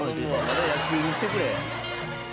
まだ野球にしてくれ。